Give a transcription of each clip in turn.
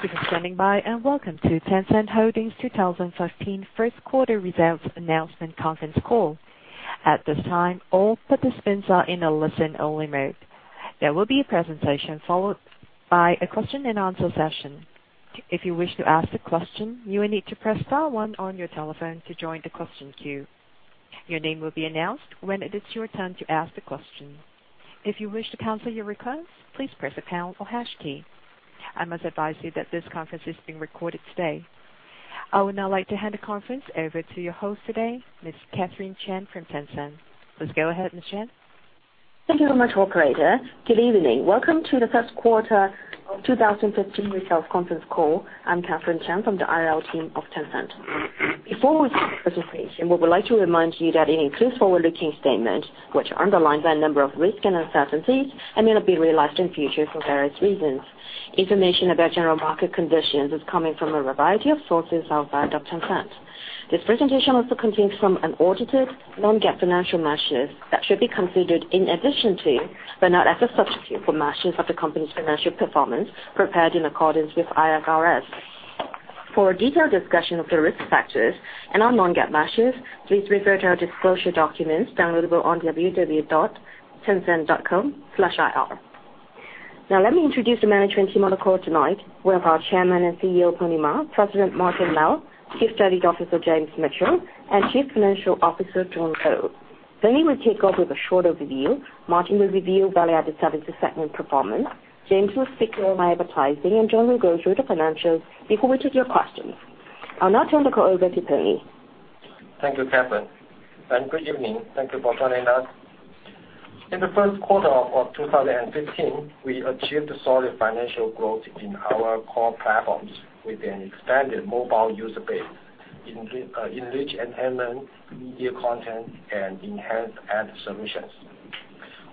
Thank you for standing by, and welcome to Tencent Holdings 2015 first quarter results announcement conference call. At this time, all participants are in a listen-only mode. There will be a presentation, followed by a question and answer session. If you wish to ask a question, you will need to press star one on your telephone to join the question queue. Your name will be announced when it is your turn to ask the question. If you wish to cancel your request, please press the pound or hash key. I must advise you that this conference is being recorded today. I would now like to hand the conference over to your host today, Ms. Catherine Chan from Tencent. Please go ahead, Ms. Chan. Thank you very much, operator. Good evening. Welcome to the first quarter of 2015 results conference call. I'm Catherine Chan from the IR team of Tencent. Before we start the presentation, we would like to remind you that it includes forward-looking statements, which are underlined by a number of risks and uncertainties, and may not be realized in future for various reasons. Information about general market conditions is coming from a variety of sources outside of Tencent. This presentation also contains some unaudited Non-GAAP financial measures that should be considered in addition to, but not as a substitute for, measures of the company's financial performance prepared in accordance with IFRS. For a detailed discussion of the risk factors and our Non-GAAP measures, please refer to our disclosure documents downloadable on www.tencent.com/ir. Now, let me introduce the management team on the call tonight. We have our Chairman and CEO, Pony Ma, President Martin Lau, Chief Strategy Officer James Mitchell, and Chief Financial Officer John Lo. Pony will kick off with a short overview. Martin will review value-added services segment performance. James will speak on advertising, and John will go through the financials before we take your questions. I'll now turn the call over to Pony. Thank you, Catherine, and good evening. Thank you for joining us. In the first quarter of 2015, we achieved solid financial growth in our core platforms with an expanded mobile user base in rich entertainment, media content, and enhanced ad solutions.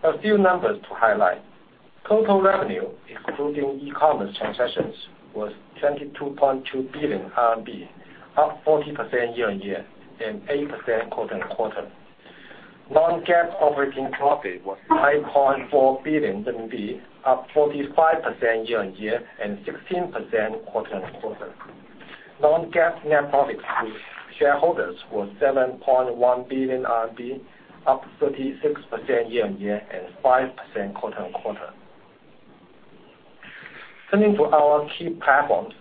A few numbers to highlight. Total revenue, excluding e-commerce transactions, was 22.2 billion RMB, up 40% year-on-year and 8% quarter-on-quarter. Non-GAAP operating profit was 5.4 billion RMB, up 45% year-on-year and 16% quarter-on-quarter. Non-GAAP net profit with shareholders was 7.1 billion RMB, up 36% year-on-year and 5% quarter-on-quarter. Turning to our key platforms.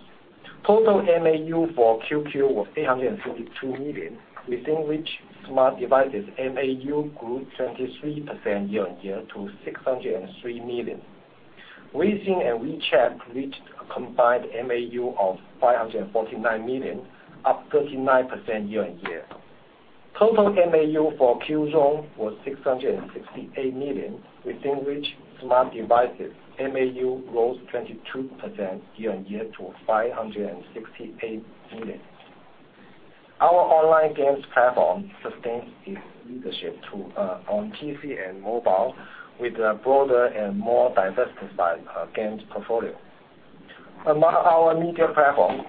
Total MAU for QQ was 852 million, within which smart devices MAU grew 23% year-on-year to 603 million. Weixin and WeChat reached a combined MAU of 549 million, up 39% year-on-year. Total MAU for Qzone was 668 million, within which smart devices MAU rose 22% year-on-year to 568 million. Our online games platform sustains its leadership on PC and mobile with a broader and more diversified games portfolio. Among our media platform,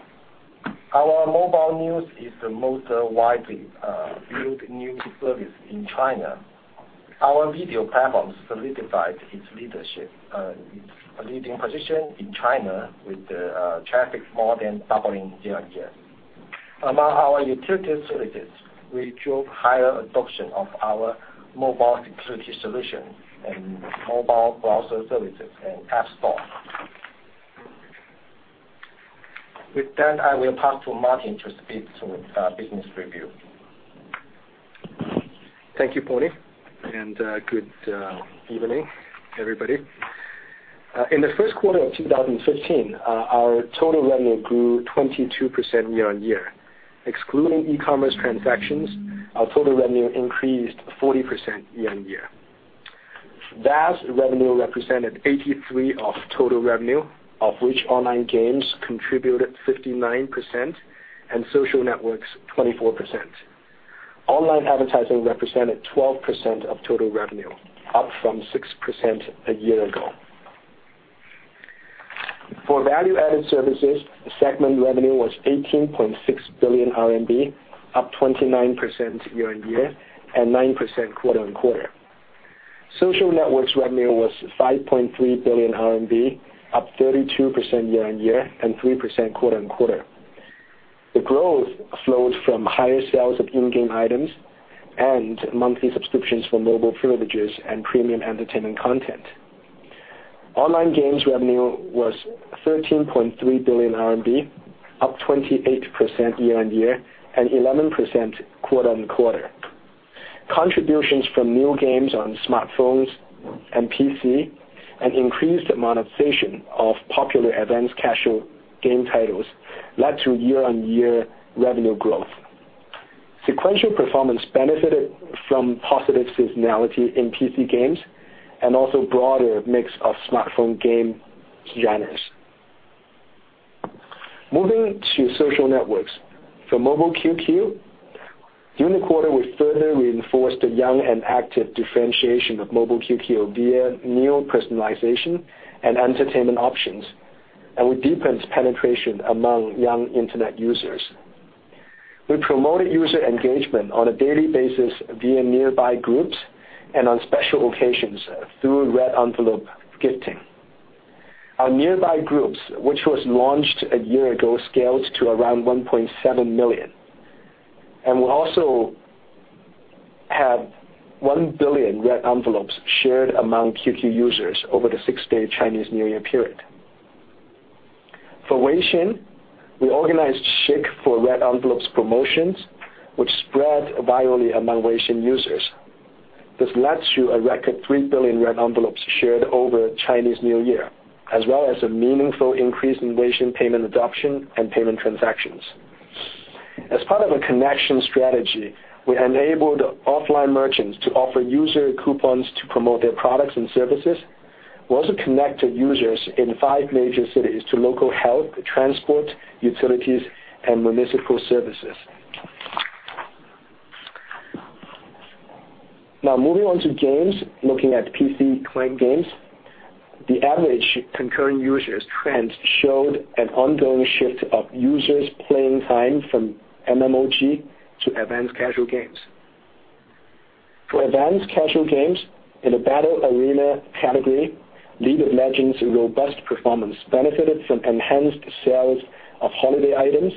our mobile news is the most widely viewed news service in China. Our video platform solidifies its leadership, its leading position in China with the traffic more than doubling year-on-year. Among our utility services, we drove higher adoption of our mobile security solution and mobile browser services and app store. With that, I will pass to Martin to speak to business review. Thank you, Pony, and good evening, everybody. In the first quarter of 2015, our total revenue grew 22% year-on-year. Excluding e-commerce transactions, our total revenue increased 40% year-on-year. VAS revenue represented 83% of total revenue, of which online games contributed 59% and social networks 24%. Online advertising represented 12% of total revenue, up from 6% a year ago. For value-added services, the segment revenue was 18.6 billion RMB, up 29% year-on-year and 9% quarter-on-quarter. Social networks revenue was 5.3 billion RMB, up 32% year-on-year and 3% quarter-on-quarter. The growth flowed from higher sales of in-game items and monthly subscriptions for mobile privileges and premium entertainment content. Online games revenue was 13.3 billion RMB, up 28% year-on-year and 11% quarter-on-quarter. Contributions from new games on smartphones and PC, and increased monetization of popular advanced casual game titles led to year-on-year revenue growth. Sequential performance benefited from positive seasonality in PC games and also a broader mix of smartphone game genres. Moving to social networks. For Mobile QQ, during the quarter, we further reinforced the young and active differentiation of Mobile QQ via new personalization and entertainment options, and we deepened penetration among young Internet users. We promoted user engagement on a daily basis via nearby groups and on special occasions through red envelope gifting. Our nearby groups, which was launched a year ago, scaled to around 1.7 million, and we also had 1 billion red envelopes shared among QQ users over the six-day Chinese New Year period. For Weixin, we organized shake for red envelopes promotions, which spread virally among Weixin users. This led to a record 3 billion red envelopes shared over Chinese New Year, as well as a meaningful increase in Weixin payment adoption and payment transactions. As part of a connection strategy, we enabled offline merchants to offer user coupons to promote their products and services. We also connected users in five major cities to local health, transport, utilities, and municipal services. Moving on to games, looking at PC client games, the average concurrent users trend showed an ongoing shift of users playing time from MMOG to advanced casual games. For advanced casual games in the battle arena category, League of Legends' robust performance benefited from enhanced sales of holiday items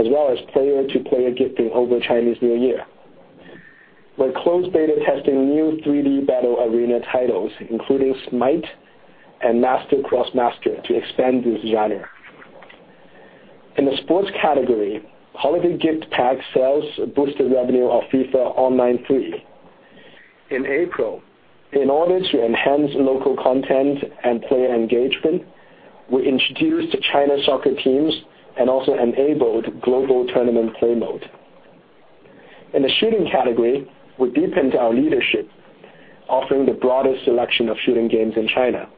as well as player-to-player gifting over Chinese New Year. We're closed beta testing new 3D battle arena titles, including Smite and Master X Master to expand this genre. In the sports category, holiday gift pack sales boosted revenue of FIFA Online 3. In April, in order to enhance local content and player engagement, we introduced China soccer teams and also enabled global tournament play mode. In the shooting category, we deepened our leadership, offering the broadest selection of shooting games in China.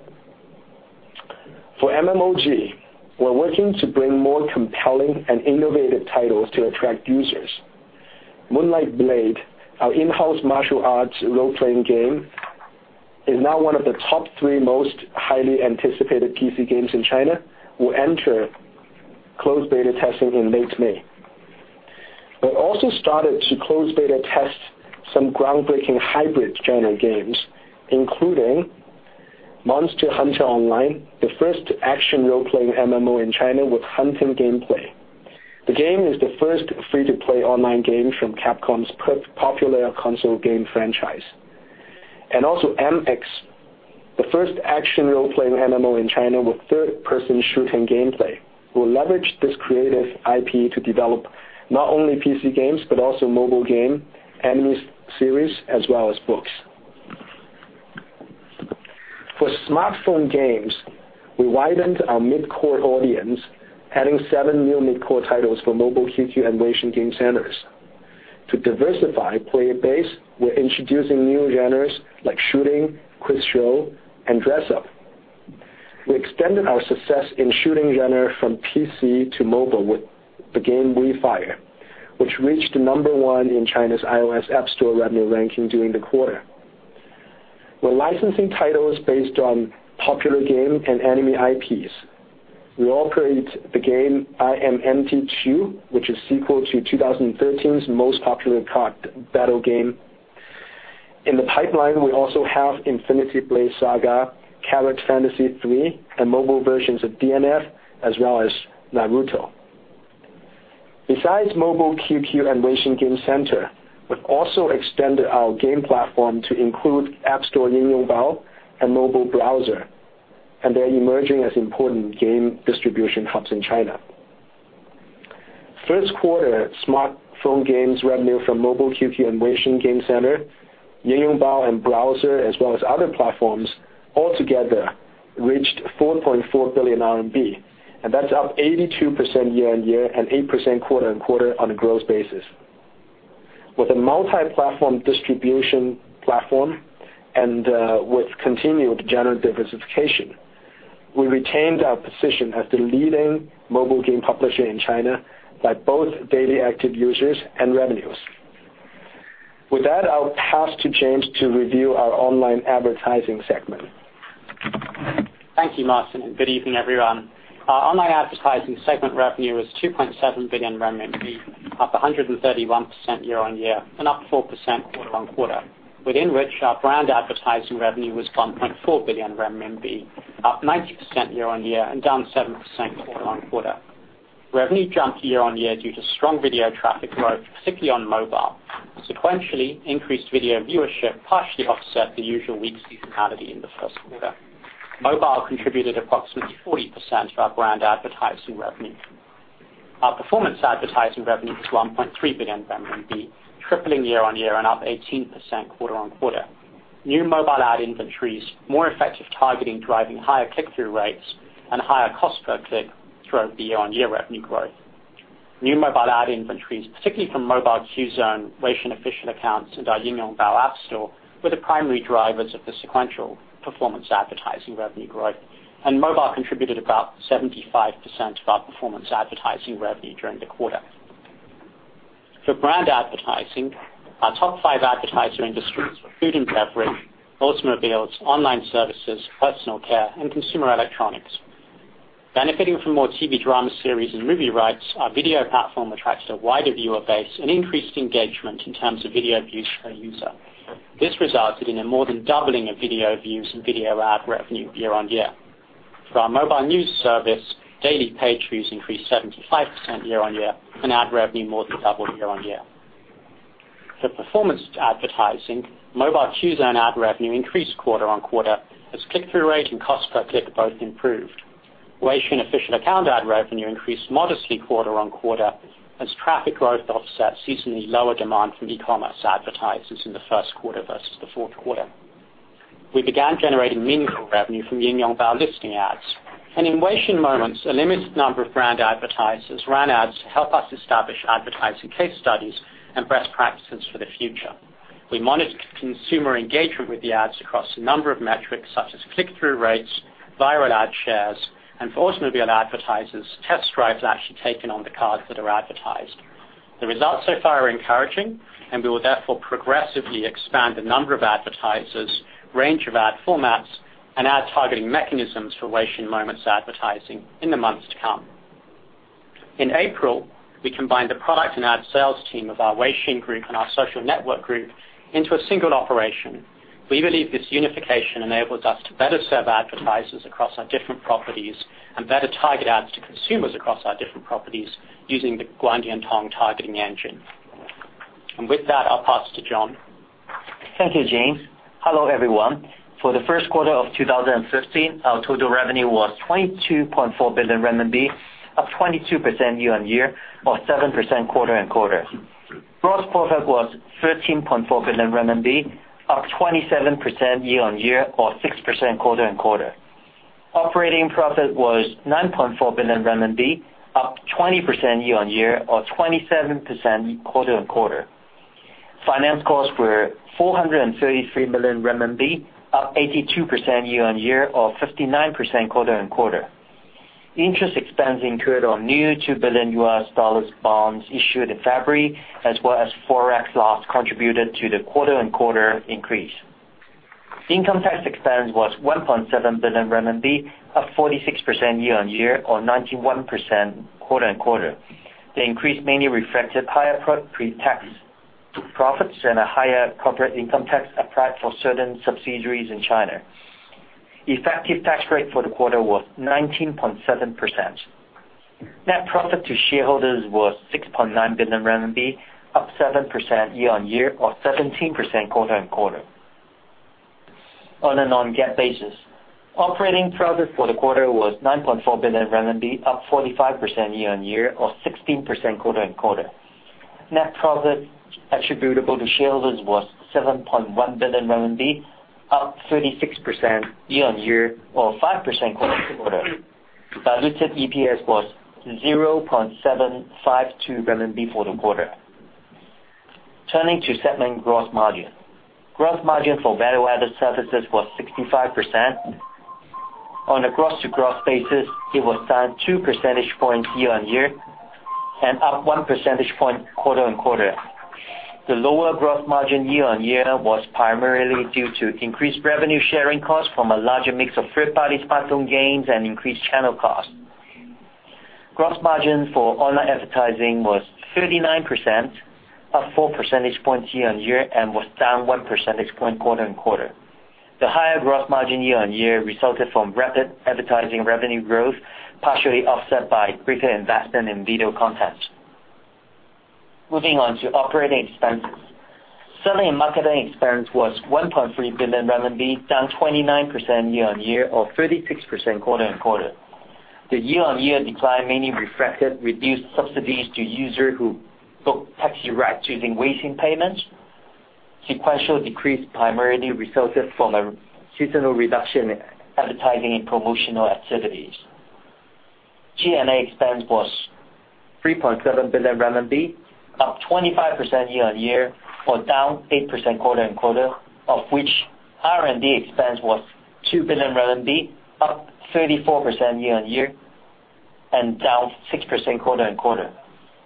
For MMOG, we're working to bring more compelling and innovative titles to attract users. Moonlight Blade, our in-house martial arts role-playing game, is now one of the top 3 most highly anticipated PC games in China, will enter closed beta testing in late May. We also started to closed beta test some groundbreaking hybrid genre games, including Monster Hunter Online, the first action role-playing MMO in China with hunting gameplay. The game is the first free-to-play online game from Capcom's popular console game franchise. Also [MX], the first action role-playing MMO in China with third-person shooting gameplay. We'll leverage this creative IP to develop not only PC games but also mobile game anime series, as well as books. For smartphone games, we widened our mid-core audience, adding 7 new mid-core titles for Mobile QQ and Weixin Game Centers. To diversify player base, we're introducing new genres like shooting, quiz show, and dress up. We extended our success in shooting genre from PC to mobile with the game WeFire, which reached number 1 in China's iOS App Store revenue ranking during the quarter. We're licensing titles based on popular game and anime IPs. We operate the game I Am MT 2, which is sequel to 2013's most popular card battle game. In the pipeline, we also have Infinity Blade Saga, Carrot Fantasy 3, and mobile versions of DNF, as well as Naruto. Besides Mobile QQ and Weixin Game Center, we've also extended our game platform to include App Store, Yingyongbao, and mobile browser, they're emerging as important game distribution hubs in China. First quarter smartphone games revenue from Mobile QQ and Weixin Game Center, Yingyongbao, and browser, as well as other platforms altogether reached 4.4 billion RMB. That's up 82% year-over-year and 8% quarter-over-quarter on a gross basis. With a multi-platform distribution platform and with continued genre diversification, we retained our position as the leading mobile game publisher in China by both daily active users and revenues. With that, I'll pass to James to review our online advertising segment. Thank you, Martin, good evening, everyone. Our online advertising segment revenue was 2.7 billion renminbi, up 131% year-over-year and up 4% quarter-over-quarter, within which our brand advertising revenue was 1.4 billion RMB, up 90% year-over-year and down 7% quarter-over-quarter. Revenue jumped year-over-year due to strong video traffic growth, particularly on mobile. Sequentially increased video viewership partially offset the usual weak seasonality in the first quarter. Mobile contributed approximately 40% of our brand advertising revenue. Our performance advertising revenue was 1.3 billion, tripling year-over-year and up 18% quarter-over-quarter. New mobile ad inventories, more effective targeting driving higher click-through rates and higher cost per click drove the year-over-year revenue growth. New mobile ad inventories, particularly from Mobile Qzone, Weixin Official Accounts, and our Yingyongbao App Store, were the primary drivers of the sequential performance advertising revenue growth. Mobile contributed about 75% of our performance advertising revenue during the quarter. For brand advertising, our top five advertiser industries were food and beverage, automobiles, online services, personal care, and consumer electronics. Benefiting from more TV drama series and movie rights, our video platform attracts a wider viewer base and increased engagement in terms of video views per user. This resulted in a more than doubling of video views and video ad revenue year-on-year. For our mobile news service, daily page views increased 75% year-on-year, and ad revenue more than doubled year-on-year. For performance advertising, Mobile Qzone ad revenue increased quarter-on-quarter as click-through rate and cost per click both improved. Weixin Official Account ad revenue increased modestly quarter-on-quarter as traffic growth offset seasonally lower demand from e-commerce advertisers in the first quarter versus the fourth quarter. We began generating meaningful revenue from Yingyongbao listing ads. In Weixin Moments, a limited number of brand advertisers ran ads to help us establish advertising case studies and best practices for the future. We monitored consumer engagement with the ads across a number of metrics, such as click-through rates, viral ad shares, and for automobile advertisers, test drives actually taken on the cars that are advertised. The results so far are encouraging. We will therefore progressively expand the number of advertisers, range of ad formats, and ad targeting mechanisms for Weixin Moments advertising in the months to come. In April, we combined the product and ad sales team of our Weixin Group and our social network group into a single operation. We believe this unification enables us to better serve advertisers across our different properties and better target ads to consumers across our different properties using the Guangdiantong targeting engine. With that, I'll pass to John. Thank you, James. Hello, everyone. For the first quarter of 2015, our total revenue was 22.4 billion renminbi, up 22% year-on-year or 7% quarter-on-quarter. Gross profit was 13.4 billion RMB, up 27% year-on-year or 6% quarter-on-quarter. Operating profit was 9.4 billion RMB, up 20% year-on-year or 27% quarter-on-quarter. Finance costs were 433 million RMB, up 82% year-on-year or 59% quarter-on-quarter. Interest expense incurred on new $2 billion U.S. dollars bonds issued in February as well as forex loss contributed to the quarter-on-quarter increase. Income tax expense was 1.7 billion RMB, up 46% year-on-year or 91% quarter-on-quarter. The increase mainly reflected higher pre-tax profits and a higher corporate income tax applied for certain subsidiaries in China. Effective tax rate for the quarter was 19.7%. Net profit to shareholders was 6.9 billion RMB, up 7% year-on-year or 17% quarter-on-quarter. On a non-GAAP basis, operating profit for the quarter was 9.4 billion RMB, up 45% year-on-year or 16% quarter-on-quarter. Net profit attributable to shareholders was 7.1 billion RMB, up 36% year-on-year or 5% quarter-to-quarter. Diluted EPS was 0.752 renminbi for the quarter. Turning to segment gross margin. Gross margin for value-added services was 65%. On a gross-to-gross basis, it was down two percentage points year-on-year and up one percentage point quarter-on-quarter. The lower gross margin year-on-year was primarily due to increased revenue sharing costs from a larger mix of third-party platform gains and increased channel costs. Gross margin for online advertising was 39%, up four percentage points year-on-year and was down one percentage point quarter-on-quarter. The higher gross margin year-on-year resulted from rapid advertising revenue growth, partially offset by greater investment in video content. Moving on to operating expenses. Selling and marketing expense was 1.3 billion RMB, down 29% year-on-year or 36% quarter-on-quarter. The year-on-year decline mainly reflected reduced subsidies to user who booked taxi rides using Weixin Pay. Sequential decrease primarily resulted from a seasonal reduction in advertising and promotional activities. G&A expense was 3.7 billion RMB, up 25% year-on-year or down 8% quarter-on-quarter, of which R&D expense was 2 billion RMB, up 34% year-on-year and down 6% quarter-on-quarter.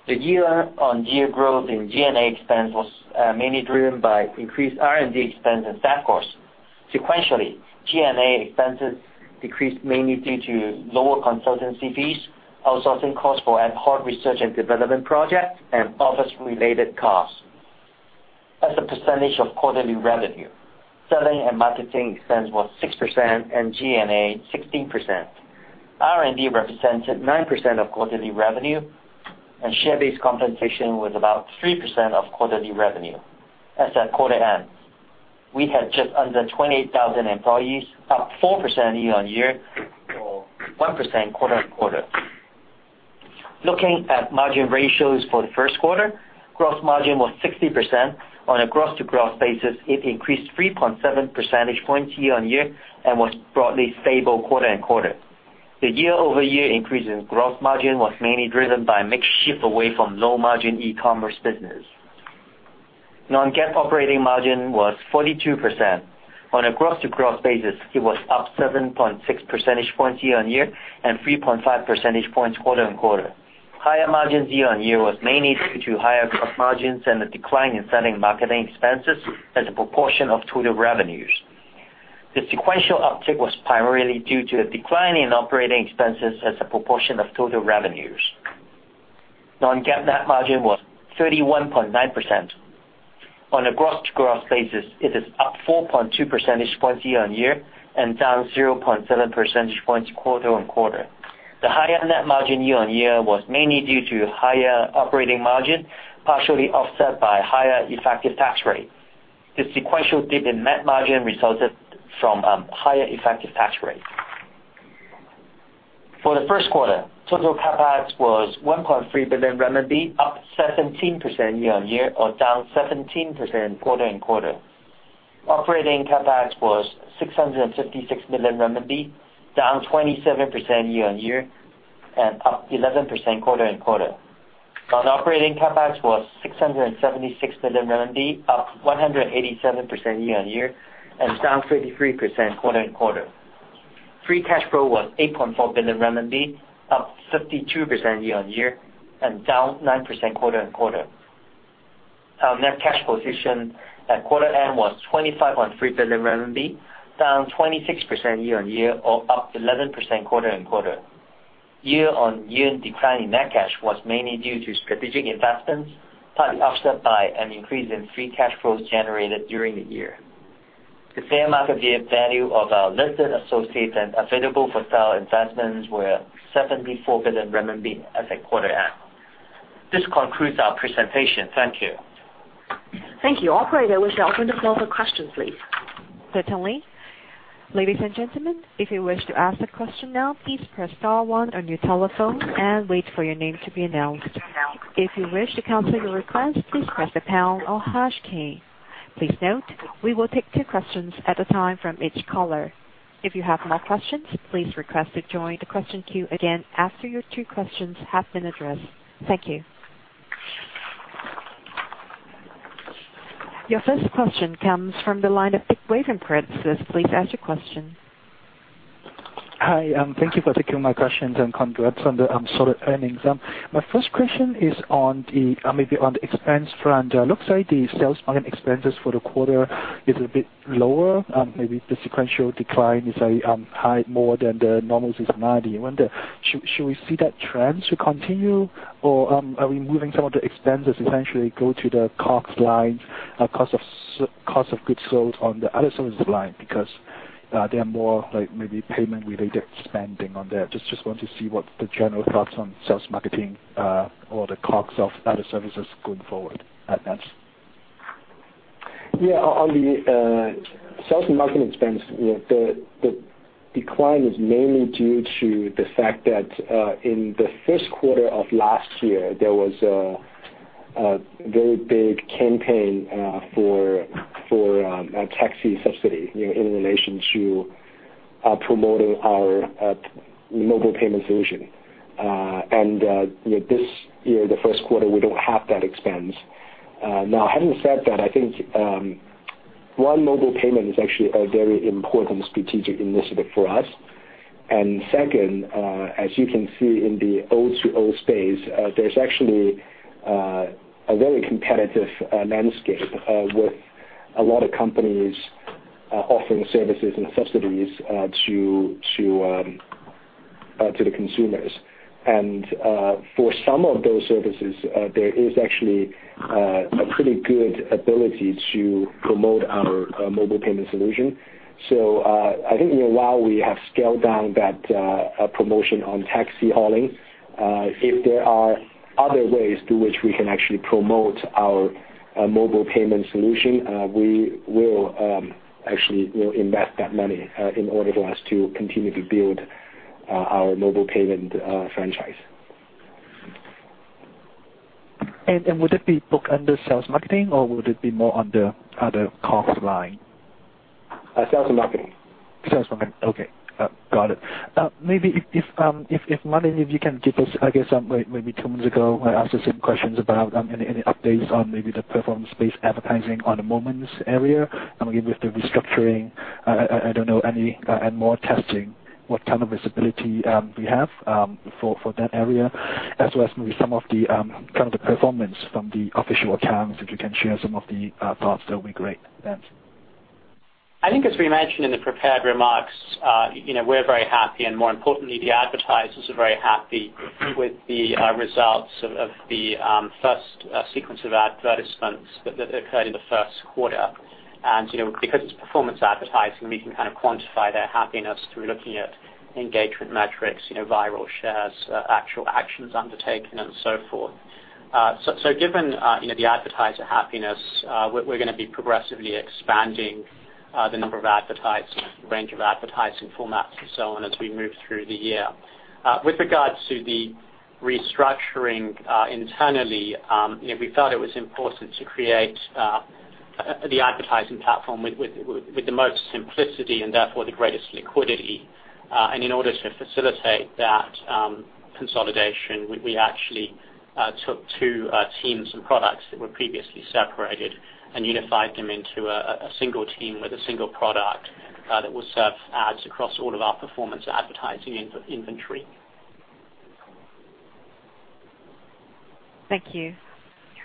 The year-on-year growth in G&A expense was mainly driven by increased R&D expense and staff costs. Sequentially, G&A expenses decreased mainly due to lower consultancy fees, outsourcing costs for ad hoc research and development projects, and office-related costs. As a percentage of quarterly revenue, selling and marketing expense was 6% and G&A 16%. R&D represented 9% of quarterly revenue, and share-based compensation was about 3% of quarterly revenue. As at quarter end, we had just under 28,000 employees, up 4% year-on-year or 1% quarter-on-quarter. Looking at margin ratios for the first quarter, gross margin was 60%. On a gross-to-gross basis, it increased 3.7 percentage points year-on-year and was broadly stable quarter-on-quarter. The year-over-year increase in gross margin was mainly driven by a mix shift away from low-margin e-commerce business. Non-GAAP operating margin was 42%. On a gross-to-gross basis, it was up 7.6 percentage points year-on-year and 3.5 percentage points quarter-on-quarter. Higher margins year-on-year was mainly due to higher gross margins and a decline in selling and marketing expenses as a proportion of total revenues. The sequential uptick was primarily due to a decline in operating expenses as a proportion of total revenues. Non-GAAP net margin was 31.9%. On a gross-to-gross basis, it is up 4.2 percentage points year-on-year and down 0.7 percentage points quarter-on-quarter. The higher net margin year-on-year was mainly due to higher operating margin, partially offset by higher effective tax rate. The sequential dip in net margin resulted from higher effective tax rates. For the first quarter, total CapEx was 1.3 billion RMB, up 17% year-on-year or down 17% quarter-on-quarter. Operating CapEx was 656 million renminbi, down 27% year-on-year and up 11% quarter-on-quarter. Non-operating CapEx was 676 million RMB, up 187% year-on-year and down 53% quarter-on-quarter. Free cash flow was 8.4 billion RMB, up 52% year-on-year and down 9% quarter-on-quarter. Our net cash position at quarter end was 25.3 billion renminbi, down 26% year-on-year or up 11% quarter-on-quarter. Year-on-year decline in net cash was mainly due to strategic investments, partly offset by an increase in free cash flows generated during the year. The fair market value of our listed associates and available-for-sale investments were 74 billion RMB as at quarter end. This concludes our presentation. Thank you. Thank you. Operator, we are now open the floor for questions, please. Certainly. Ladies and gentlemen, if you wish to ask a question now, please press star one on your telephone and wait for your name to be announced. If you wish to cancel your request, please press the pound or hash key. Please note we will take two questions at a time from each caller. If you have more questions, please request to join the question queue again after your two questions have been addressed. Thank you. Your first question comes from the line of Dick Wei, from Credit Suisse. Please ask your question. Hi. Thank you for taking my questions and congrats on the solid earnings. My first question is maybe on the expense front. It looks like the sales margin expenses for the quarter is a bit lower. Maybe the sequential decline is high more than the normal seasonality. I wonder, should we see that trend to continue, or are we moving some of the expenses essentially go to the COGS line, cost of goods sold on the other services line? Because they are more maybe payment-related spending on there. Just want to see what the general thoughts on sales marketing or the COGS of other services going forward are. Thanks. On the sales and marketing expense, the decline is mainly due to the fact that in the first quarter of last year, there was a very big campaign for taxi subsidy in relation to promoting our mobile payment solution. This year, the first quarter, we don't have that expense. Having said that, I think, one, mobile payment is actually a very important strategic initiative for us. Second, as you can see in the O2O space, there's actually a very competitive landscape with a lot of companies offering services and subsidies to the consumers. For some of those services, there is actually a pretty good ability to promote our mobile payment solution. I think while we have scaled down that promotion on taxi hauling, if there are other ways through which we can actually promote our mobile payment solution, we will actually invest that money in order for us to continue to build our mobile payment franchise. Would it be booked under sales marketing, or would it be more under other COGS line? Sales and marketing. Sales marketing. Okay. Got it. Maybe if, Martin, if you can give us, I guess maybe two months ago, I asked the same questions about any updates on maybe the performance-based advertising on the Moments area, maybe with the restructuring, I don't know any, and more testing, what kind of visibility we have for that area as well as maybe some of the kind of the performance from the official accounts, if you can share some of the thoughts, that would be great. Thanks. I think as we mentioned in the prepared remarks, we're very happy, and more importantly, the advertisers are very happy with the results of the first sequence of advertisements that occurred in the first quarter. Because it's performance advertising, we can kind of quantify their happiness through looking at engagement metrics, viral shares, actual actions undertaken, and so forth. Given the advertiser happiness, we're gonna be progressively expanding the number of advertisements, range of advertising formats, and so on as we move through the year. With regards to the restructuring internally, we felt it was important to create the advertising platform with the most simplicity and therefore the greatest liquidity. In order to facilitate that consolidation, we actually took two teams and products that were previously separated and unified them into a single team with a single product that will serve ads across all of our performance advertising inventory. Thank you.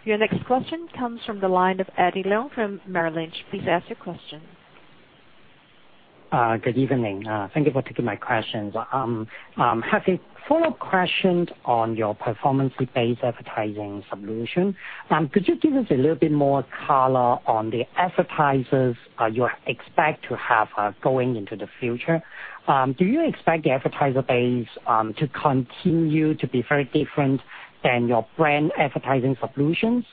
Your next question comes from the line of Eddie Leung from Merrill Lynch. Please ask your question. Good evening. Thank you for taking my questions. I have a follow-up question on your performance-based advertising solution. Could you give us a little bit more color on the advertisers you expect to have going into the future? Do you expect the advertiser base to continue to be very different than your brand advertising solutions?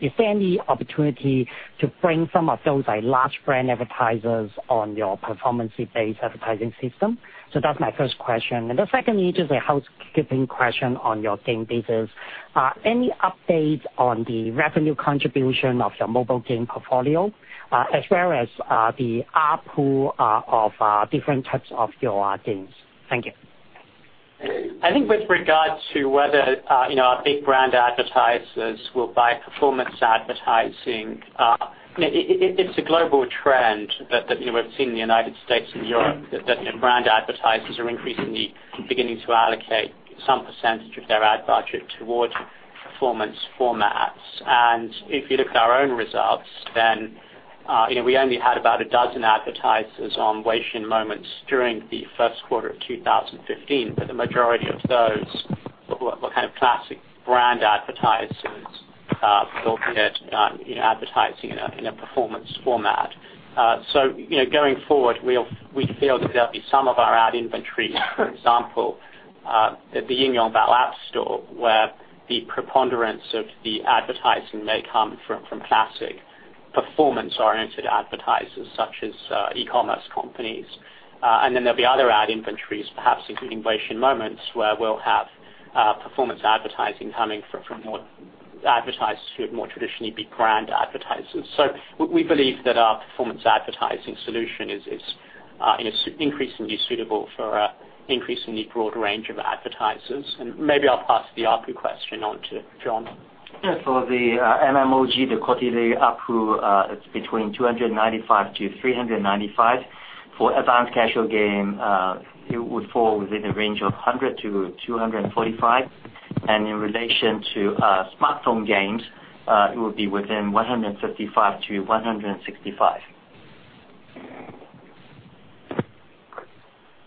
Is there any opportunity to bring some of those large brand advertisers on your performance-based advertising system? That's my first question, and the second is just a housekeeping question on your game business. Any updates on the revenue contribution of your mobile game portfolio? As well as the ARPU of different types of your games. Thank you. With regard to whether our big brand advertisers will buy performance advertising, it's a global trend that we've seen in the U.S. and Europe, that brand advertisers are increasingly beginning to allocate some percentage of their ad budget towards performance formats. If you look at our own results, we only had about a dozen advertisers on Weixin Moments during the first quarter of 2015, but the majority of those were classic brand advertisers looking at advertising in a performance format. Going forward, we feel that there will be some of our ad inventory, for example, the Yingyongbao App Store, where the preponderance of the advertising may come from classic performance-oriented advertisers such as e-commerce companies. There will be other ad inventories, perhaps including Weixin Moments, where we will have performance advertising coming from advertisers who would more traditionally be brand advertisers. We believe that our performance advertising solution is increasingly suitable for an increasingly broad range of advertisers. Maybe I will pass the ARPU question on to John. For the MMOG, the quarterly ARPU is between 295-395. For advanced casual game, it would fall within a range of 100-245. In relation to smartphone games, it would be within 155-165.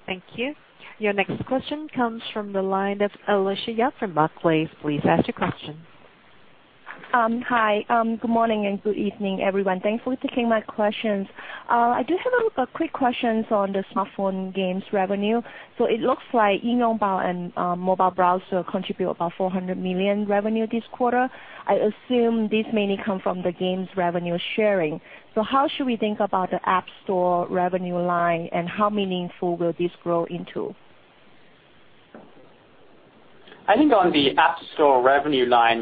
Thank you. Your next question comes from the line of Alicia Yap from Barclays. Please ask your question. Hi. Good morning and good evening, everyone. Thanks for taking my questions. I do have a quick question on the smartphone games revenue. It looks like Yingyongbao and mobile browser contribute about 400 million revenue this quarter. I assume this mainly come from the games revenue sharing. How should we think about the App Store revenue line, and how meaningful will this grow into? I think on the App Store revenue line,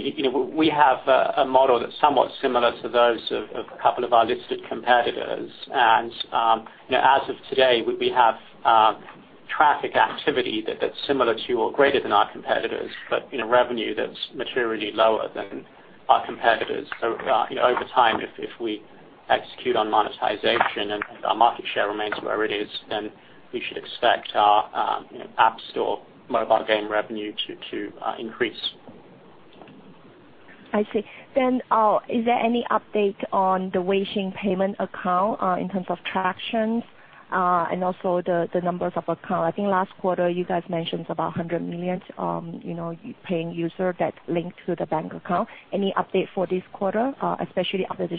we have a model that's somewhat similar to those of a couple of our listed competitors. As of today, we have traffic activity that's similar to or greater than our competitors, but revenue that's materially lower than our competitors. Over time, if we execute on monetization and our market share remains where it is, then we should expect our App Store mobile game revenue to increase. I see. Is there any update on the Weixin payment account, in terms of tractions and also the numbers of accounts? I think last quarter you guys mentioned about 100 million paying user that linked to the bank account. Any update for this quarter, especially after the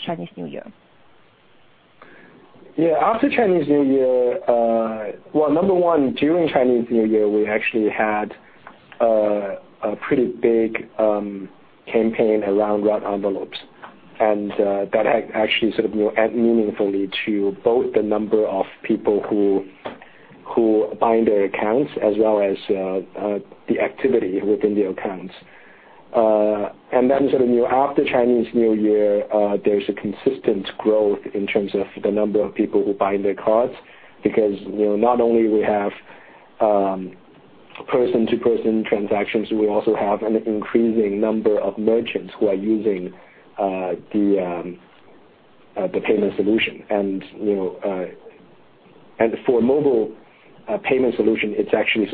Chinese New Year? Well, number one, during Chinese New Year, we actually had a pretty big campaign around red envelopes, and that had actually add meaningfully to both the number of people who bind their accounts as well as the activity within the accounts. After Chinese New Year, there's a consistent growth in terms of the number of people who bind their cards because not only we have person-to-person transactions, we also have an increasing number of merchants who are using the payment solution. For mobile payment solution, it's actually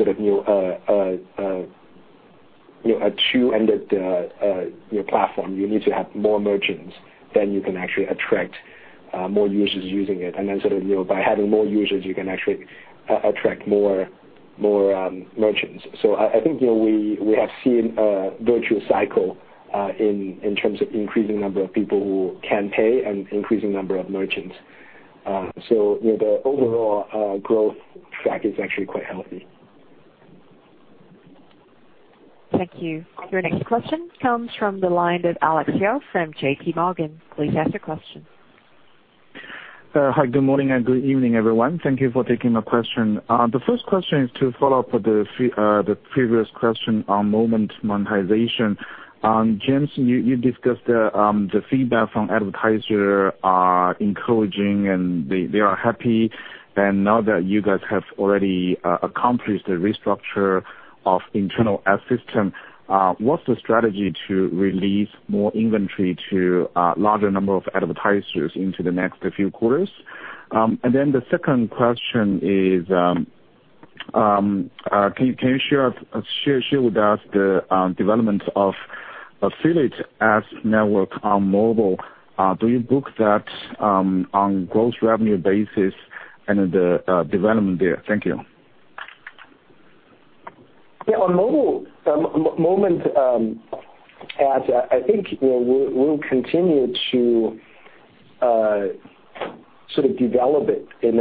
a two-ended platform. You need to have more merchants, you can actually attract more users using it. By having more users, you can actually attract more merchants. I think we have seen a virtuous cycle in terms of increasing number of people who can pay and increasing number of merchants. The overall growth track is actually quite healthy. Thank you. Your next question comes from the line of Alex Yao from JPMorgan. Please ask your question. Hi, good morning and good evening, everyone. Thank you for taking my question. The first question is to follow up with the previous question on Moment monetization. James, you discussed the feedback from advertisers are encouraging, and they are happy. Now that you guys have already accomplished the restructure of internal ad system, what's the strategy to release more inventory to a larger number of advertisers into the next few quarters? The second question is, can you share with us the development of affiliate ads network on mobile? Do you book that on gross revenue basis and the development there? Thank you. Yeah. On Moment ads, I think we'll continue to sort of develop it in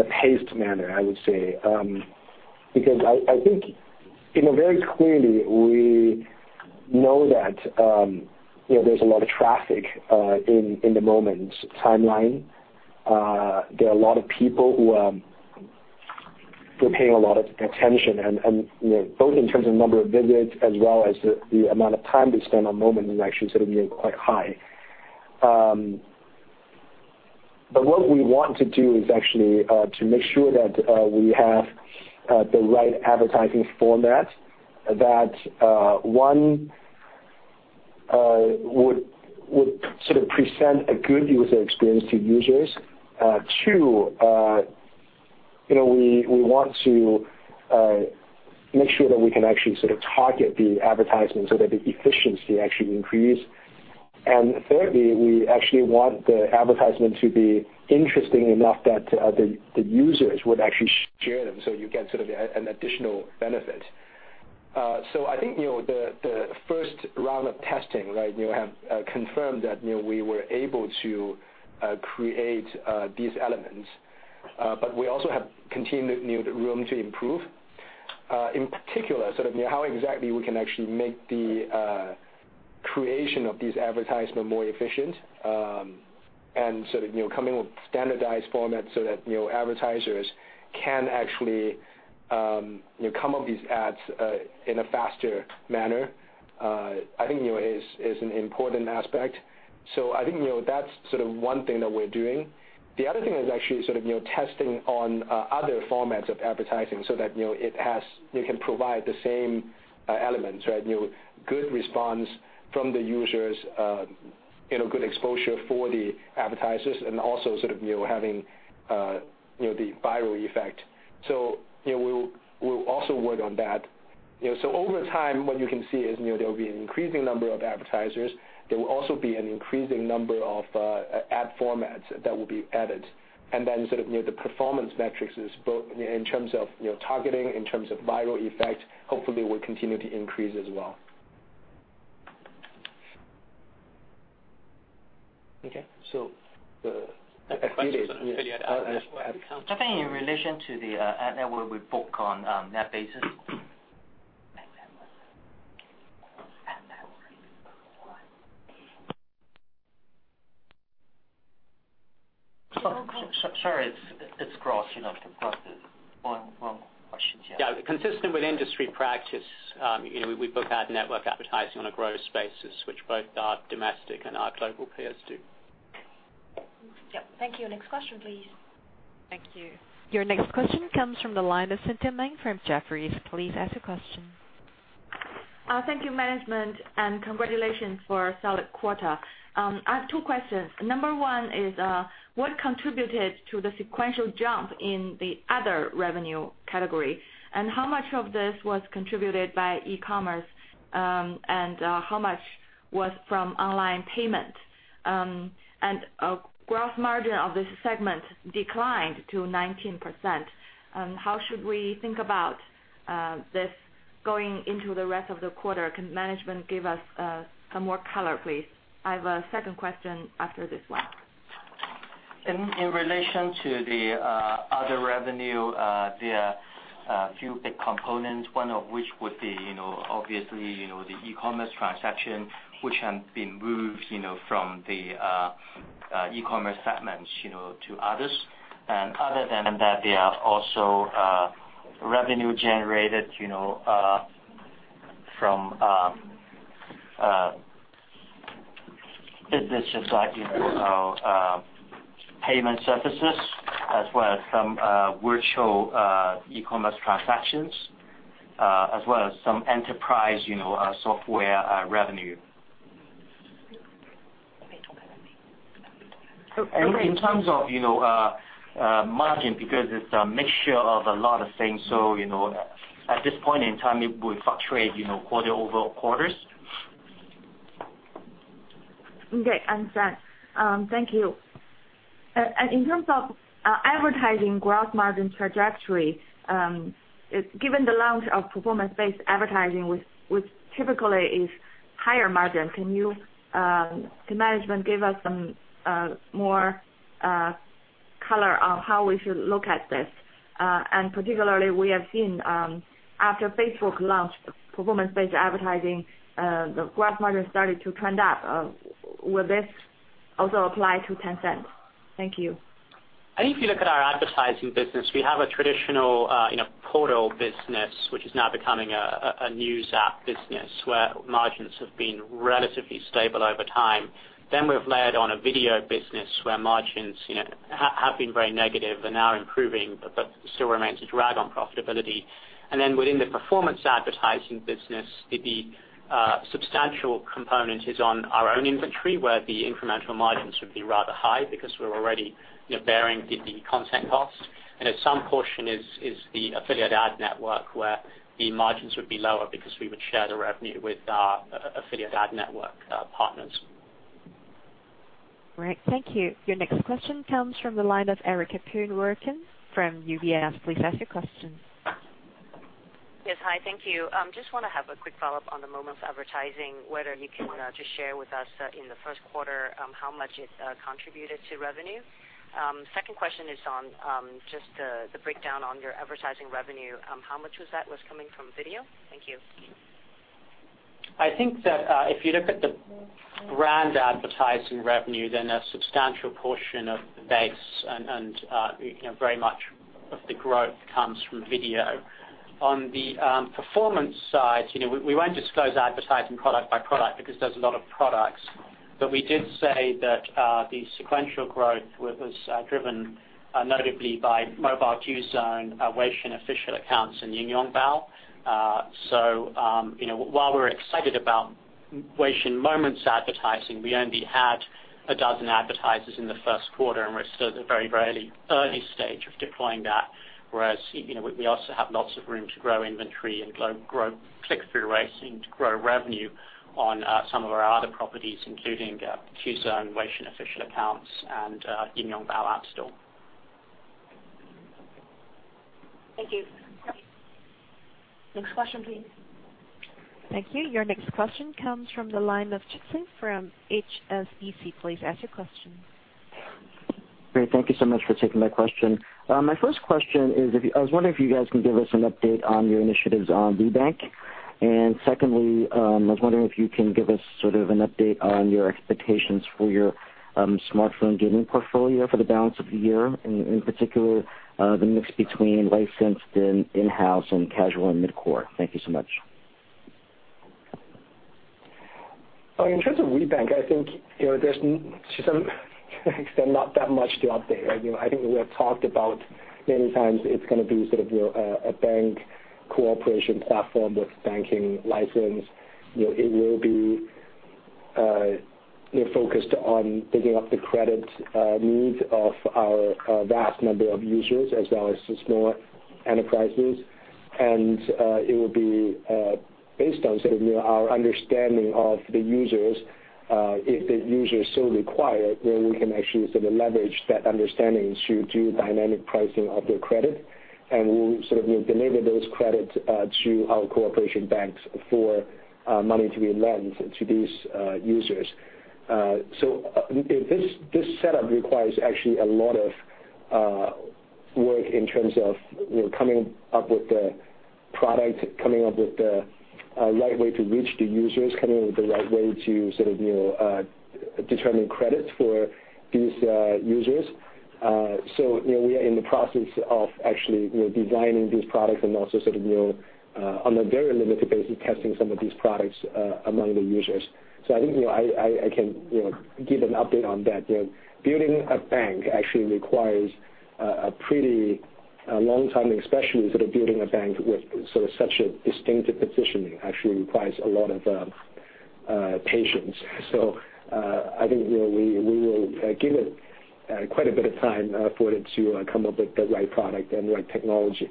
a paced manner, I would say. I think very clearly, we know that there's a lot of traffic in the Moment timeline. There are a lot of people who are paying a lot of attention, both in terms of number of visits as well as the amount of time they spend on Moment is actually sort of quite high. What we want to do is actually to make sure that we have the right advertising format that, one, would sort of present a good user experience to users. Two, we want to make sure that we can actually sort of target the advertisement so that the efficiency actually increase. Thirdly, we actually want the advertisement to be interesting enough that the users would actually share them, so you get sort of an additional benefit. I think the first round of testing, right, have confirmed that we were able to create these elements. We also have continued room to improve. In particular, sort of how exactly we can actually make the creation of these advertisement more efficient, and sort of coming with standardized format so that advertisers can actually come up these ads in a faster manner, I think is an important aspect. I think that's sort of one thing that we're doing. The other thing is actually sort of testing on other formats of advertising so that it can provide the same elements, right? Good response from the users, good exposure for the advertisers and also sort of having the viral effect. We'll also work on that. Over time, what you can see is there will be an increasing number of advertisers. There will also be an increasing number of ad formats that will be added. Then sort of the performance metrics is both in terms of targeting, in terms of viral effect, hopefully will continue to increase as well. Okay. The- A question sort of related to ads. ads. I think in relation to the ad network we book on net basis. Sorry, it is crossing up. One more question, James. Yeah. Consistent with industry practice, we book ad network advertising on a gross basis, which both our domestic and our global peers do. Yep. Thank you. Next question, please. Thank you. Your next question comes from the line of Cynthia Meng from Jefferies. Please ask your question. Thank you, management, and congratulations for a solid quarter. I have two questions. Number one is, what contributed to the sequential jump in the other revenue category? How much of this was contributed by e-commerce, and how much was from online payment? Gross margin of this segment declined to 19%. How should we think about this going into the rest of the quarter? Can management give us some more color, please? I have a second question after this one. In relation to the other revenue, there are a few big components, one of which would be obviously the e-commerce transaction, which have been moved from the e-commerce segments to others. Other than that, there are also revenue generated from businesses like payment services as well as some virtual e-commerce transactions, as well as some enterprise software revenue. In terms of margin, because it's a mixture of a lot of things, so at this point in time, it will fluctuate quarter over quarters. Okay, understand. Thank you. In terms of advertising gross margin trajectory, given the launch of performance-based advertising, which typically is higher margin, can management give us some more color on how we should look at this. Particularly, we have seen after Facebook launched performance-based advertising, the gross margin started to trend up. Will this also apply to Tencent? Thank you. I think if you look at our advertising business, we have a traditional portal business, which is now becoming a news app business, where margins have been relatively stable over time. We've layered on a video business where margins have been very negative and are improving, but still remains a drag on profitability. Within the performance advertising business, the substantial component is on our own inventory, where the incremental margins would be rather high because we're already bearing the content cost. Some portion is the affiliate ad network where the margins would be lower because we would share the revenue with our affiliate ad network partners. Right. Thank you. Your next question comes from the line of Erica Poon Werkun from UBS. Please ask your question. Yes. Hi, thank you. Just want to have a quick follow-up on the Weixin Moments advertising, whether you can just share with us in the first quarter how much it contributed to revenue. Second question is on just the breakdown on your advertising revenue. How much was that coming from video? Thank you. I think that if you look at the brand advertising revenue, a substantial portion of the base and very much of the growth comes from video. On the performance side, we won't disclose advertising product by product because there's a lot of products. We did say that the sequential growth was driven notably by mobile Qzone, Weixin Official Accounts, and Yingyongbao. While we're excited about Weixin Moments advertising, we only had a dozen advertisers in the first quarter, and we're still at the very early stage of deploying that, whereas we also have lots of room to grow inventory and grow click-through rates and to grow revenue on some of our other properties, including Qzone, Weixin Official Accounts, and Yingyongbao App Store. Thank you. Next question, please. Thank you. Your next question comes from the line of Chi Tsang from HSBC. Please ask your question. Great. Thank you so much for taking my question. My first question is, I was wondering if you guys can give us an update on your initiatives on WeBank. Secondly, I was wondering if you can give us sort of an update on your expectations for your smartphone gaming portfolio for the balance of the year, in particular, the mix between licensed and in-house and casual and mid-core. Thank you so much. In terms of WeBank, I think there's not that much to update. I think we have talked about many times it's going to be sort of a bank cooperation platform with banking license. It will be focused on taking up the credit needs of our vast number of users as well as small enterprises. It will be based on sort of our understanding of the users. If the users so require, then we can actually sort of leverage that understanding to do dynamic pricing of their credit, and we will sort of deliver those credits to our cooperation banks for money to be lent to these users. This setup requires actually a lot of work in terms of coming up with the product, coming up with the right way to reach the users, coming up with the right way to sort of determine credits for these users. We are in the process of actually designing these products and also sort of on a very limited basis, testing some of these products among the users. I think I can give an update on that. Building a bank actually requires a pretty long time, especially sort of building a bank with sort of such a distinctive positioning, actually requires a lot of patience. I think we will give it quite a bit of time for it to come up with the right product and right technology.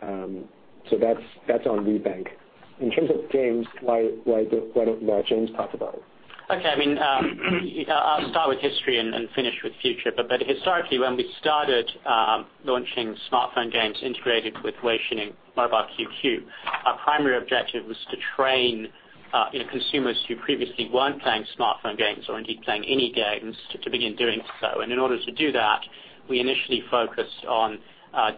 That's on WeBank. In terms of games, why don't James talk about it? I'll start with history and finish with future. Historically, when we started launching smartphone games integrated with Weixin and Mobile QQ, our primary objective was to train consumers who previously weren't playing smartphone games or indeed playing any games to begin doing so. In order to do that, we initially focused on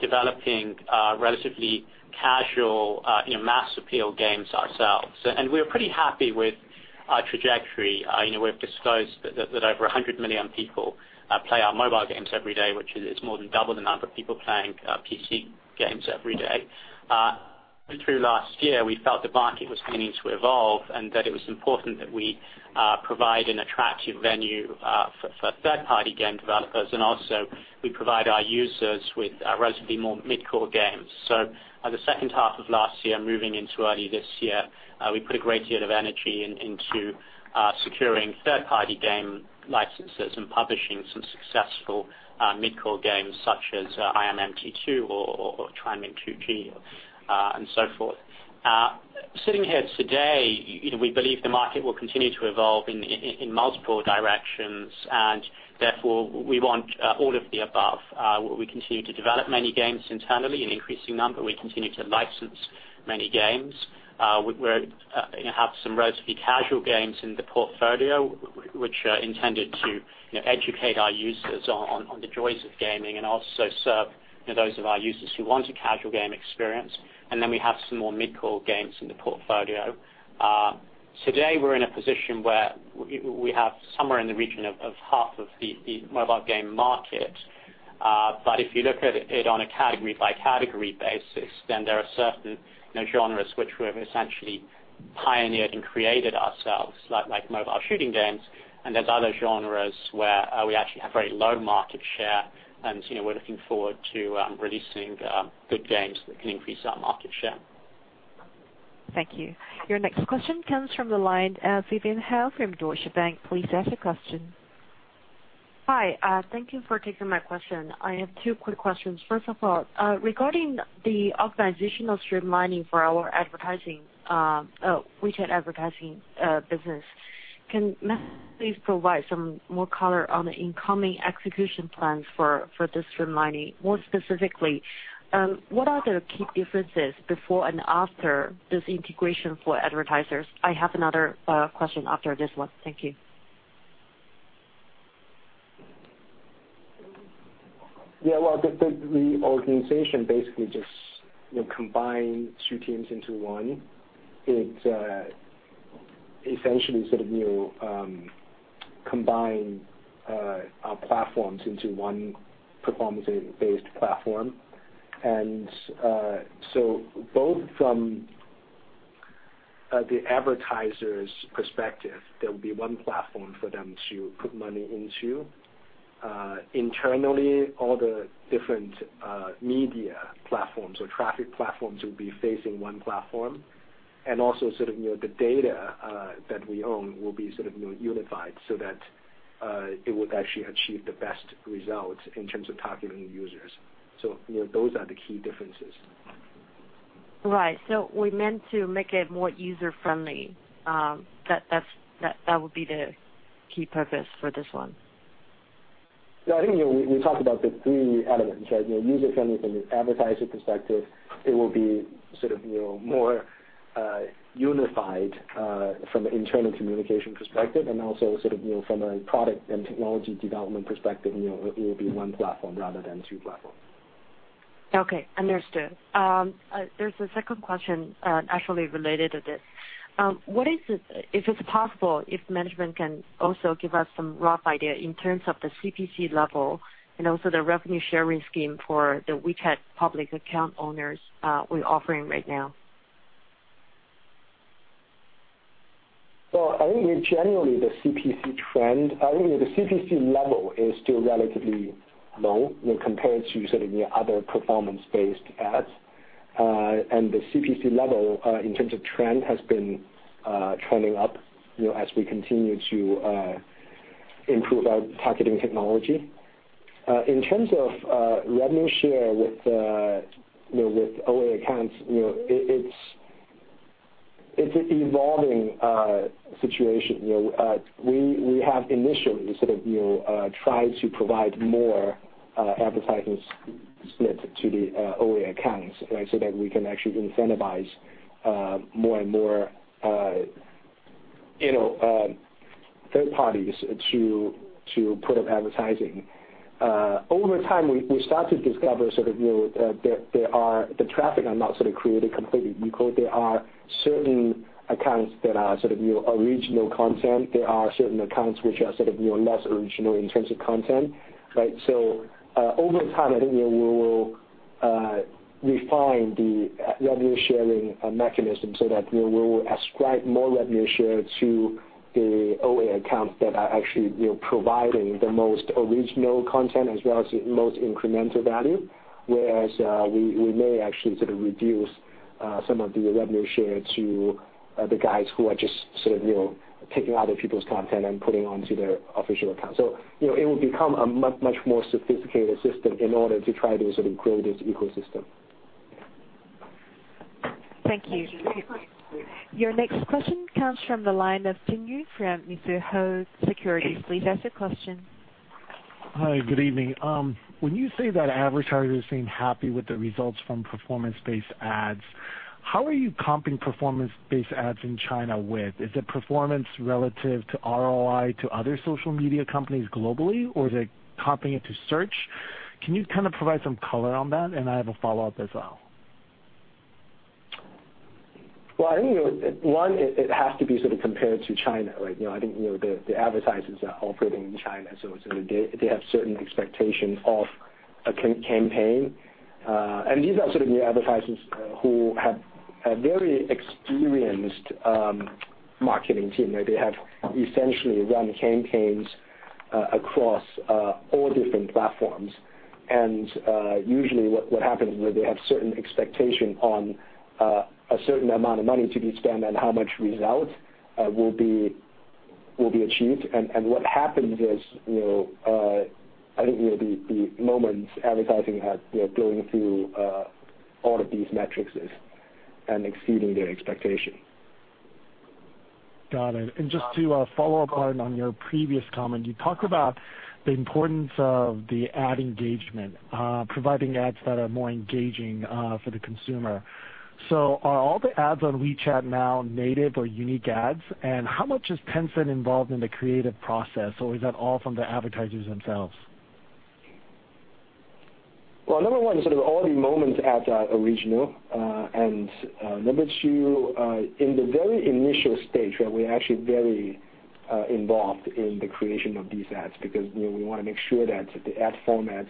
developing relatively casual mass appeal games ourselves. We're pretty happy with our trajectory. We've disclosed that over 100 million people play our mobile games every day, which is more than double the number of people playing PC games every day. Through last year, we felt the market was beginning to evolve and that it was important that we provide an attractive venue for third-party game developers and also we provide our users with relatively more mid-core games. The second half of last year, moving into early this year, we put a great deal of energy into securing third-party game licenses and publishing some successful mid-core games such as I Am MT 2, [inaudible] and so forth. Sitting here today, we believe the market will continue to evolve in multiple directions. Therefore, we want all of the above. We continue to develop many games internally, an increasing number. We continue to license many games. We have some relatively casual games in the portfolio, which are intended to educate our users on the joys of gaming and also serve those of our users who want a casual game experience. Then we have some more mid-core games in the portfolio. Today, we're in a position where we have somewhere in the region of half of the mobile game market. If you look at it on a category-by-category basis, there are certain genres which we've essentially pioneered and created ourselves, like mobile shooting games. There's other genres where we actually have very low market share. We're looking forward to releasing good games that can increase our market share. Thank you. Your next question comes from the line, Vivian Hao from Deutsche Bank. Please ask a question. Hi. Thank you for taking my question. I have two quick questions. First of all, regarding the organizational streamlining for our WeChat advertising business, can Martin please provide some more color on the incoming execution plans for this streamlining? More specifically, what are the key differences before and after this integration for advertisers? I have another question after this one. Thank you. Yeah. Well, the reorganization basically just combined two teams into one. It essentially sort of combined our platforms into one performance-based platform. Both from the advertiser's perspective, there will be one platform for them to put money into. Internally, all the different media platforms or traffic platforms will be facing one platform. Also the data that we own will be unified so that it would actually achieve the best results in terms of targeting users. Those are the key differences. Right. We meant to make it more user-friendly. That would be the key purpose for this one. I think we talked about the three elements, right? User-friendly from the advertiser perspective, it will be sort of more unified from an internal communication perspective, and also from a product and technology development perspective, it will be one platform rather than two platforms. Understood. There's a second question actually related to this. If it's possible, if management can also give us some rough idea in terms of the CPC level and also the revenue sharing scheme for the WeChat public account owners we're offering right now. I think generally the CPC trend, I think the CPC level is still relatively low when compared to certain other performance-based ads. The CPC level, in terms of trend, has been trending up as we continue to improve our targeting technology. In terms of revenue share with OA accounts, it's an evolving situation. We have initially tried to provide more advertising split to the OA accounts, so that we can actually incentivize more and more third parties to put up advertising. Over time, we start to discover the traffic are not sort of created completely equal. There are certain accounts that are original content. There are certain accounts which are sort of less original in terms of content, right? Over time, I think we will refine the revenue sharing mechanism so that we will ascribe more revenue share to the OA accounts that are actually providing the most original content as well as the most incremental value. Whereas we may actually sort of reduce some of the revenue share to the guys who are just sort of taking other people's content and putting it onto their Official Account. It will become a much more sophisticated system in order to try to sort of grow this ecosystem. Thank you. Your next question comes from the line of Tian Yao from Mizuho Securities. Please ask a question. Hi, good evening. When you say that advertisers seem happy with the results from performance-based ads, how are you comping performance-based ads in China with? Is it performance relative to ROI to other social media companies globally, or is it comping it to search? Can you kind of provide some color on that? I have a follow-up as well. Well, I think one, it has to be sort of compared to China, right? I think the advertisers are operating in China, so they have certain expectations of a campaign. These are sort of your advertisers who have a very experienced marketing team. They have essentially run campaigns across all different platforms. Usually what happens is they have certain expectations on a certain amount of money to be spent and how much result will be achieved. What happens is, I think the Moments advertising had going through all of these metrics and exceeding their expectation. Got it. Just to follow up on your previous comment, you talked about the importance of the ad engagement, providing ads that are more engaging for the consumer. Are all the ads on WeChat now native or unique ads? How much is Tencent involved in the creative process, or is that all from the advertisers themselves? Well, number 1, sort of all the Moments ads are original. In the very initial stage, we're actually very involved in the creation of these ads because we want to make sure that the ad formats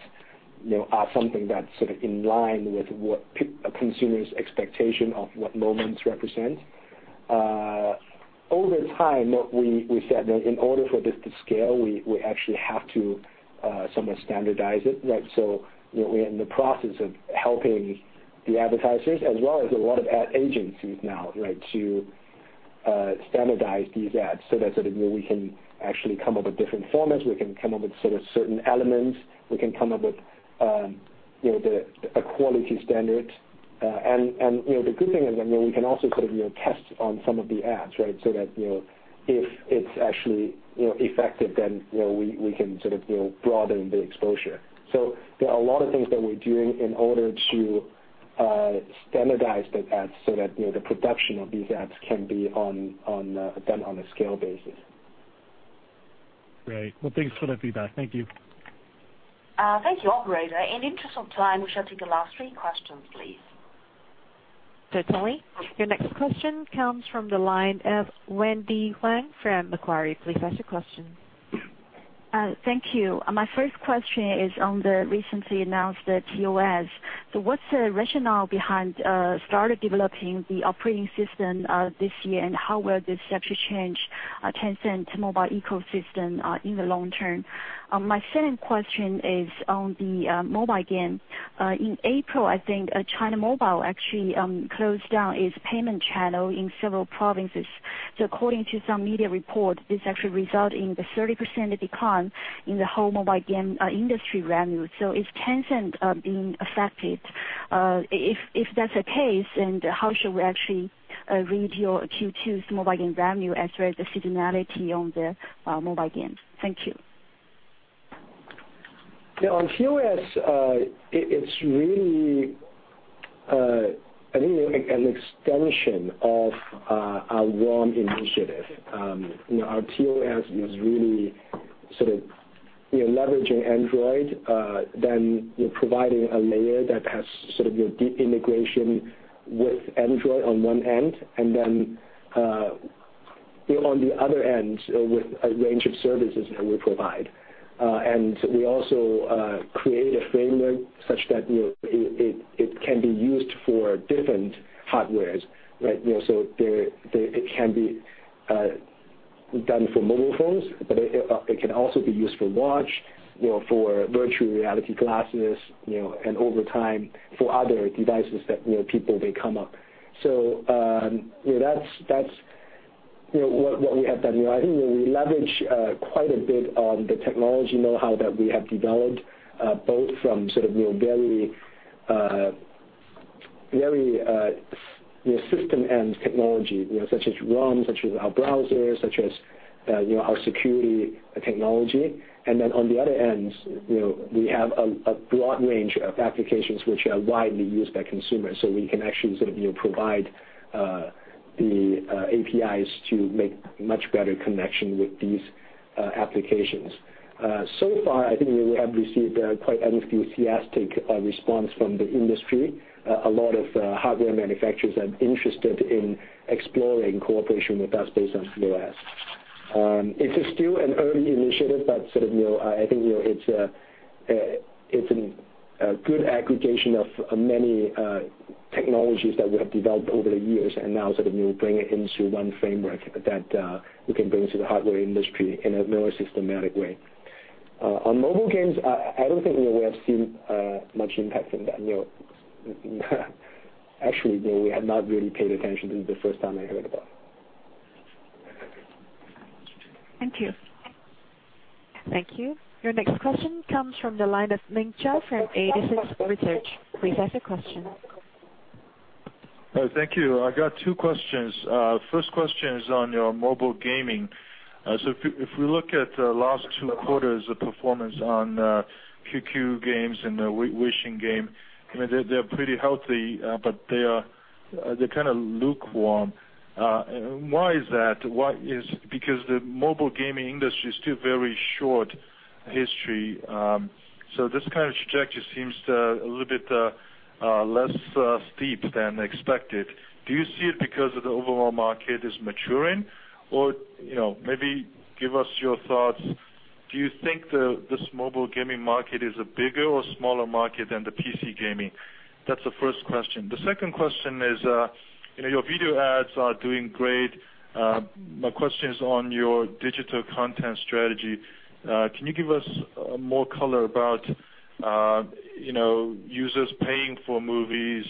are something that's sort of in line with what a consumer's expectation of what Moments represent. Over time, we said that in order for this to scale, we actually have to somewhat standardize it. We're in the process of helping the advertisers as well as a lot of ad agencies now, to standardize these ads so that we can actually come up with different formats. We can come up with certain elements. We can come up with a quality standard. The good thing is that we can also sort of test on some of the ads, right. That if it's actually effective, then we can sort of broaden the exposure. There are a lot of things that we're doing in order to standardize the ads so that the production of these ads can be done on a scale basis. Great. Well, thanks for that feedback. Thank you. Thank you, operator. In the interest of time, we shall take the last three questions, please. Certainly. Your next question comes from the line of Wendy Huang from Macquarie. Please ask your question. Thank you. My first question is on the recently announced TencentOS. What's the rationale behind start developing the operating system this year, and how will this actually change Tencent mobile ecosystem in the long term? My second question is on the mobile game. In April, I think China Mobile actually closed down its payment channel in several provinces. According to some media report, this actually result in the 30% decline in the whole mobile game industry revenue. Is Tencent being affected? If that's the case, how should we actually read your Q2's mobile game revenue as well as the seasonality on the mobile games? Thank you. On TencentOS, it's really, I think an extension of our ROM initiative. Our TencentOS is really sort of leveraging Android, providing a layer that has sort of your deep integration with Android on one end, and then on the other end with a range of services that we provide. We also create a framework such that it can be used for different hardwares, right? It can be done for mobile phones, but it can also be used for watch, for virtual reality glasses, and over time for other devices that people may come up. That's what we have done. I think we leverage quite a bit on the technology know-how that we have developed, both from sort of very system-end technology, such as ROM, such as our browser, such as our security technology. On the other end, we have a broad range of applications which are widely used by consumers. We can actually sort of provide the APIs to make much better connection with these applications. Far, I think we have received a quite enthusiastic response from the industry. A lot of hardware manufacturers are interested in exploring cooperation with us based on TencentOS. It is still an early initiative, but I think it's a good aggregation of many technologies that we have developed over the years and now sort of bring it into one framework that we can bring to the hardware industry in a more systematic way. On mobile games, I don't think we have seen much impact from that. Actually, we have not really paid attention. This is the first time I heard about it. Thank you. Thank you. Your next question comes from the line of Ming Zhao from 86Research. Please ask your question. Thank you. I got two questions. First question is on your mobile gaming. If we look at the last two quarters of performance on QQ and the Weixin Game, they are pretty healthy, but they are kind of lukewarm. Why is that? Because the mobile gaming industry is still very short history, so this kind of trajectory seems a little bit less steep than expected. Do you see it because of the overall market is maturing? Or maybe give us your thoughts, do you think this mobile gaming market is a bigger or smaller market than the PC gaming? That is the first question. The second question is, your video ads are doing great. My question is on your digital content strategy. Can you give us more color about users paying for movies?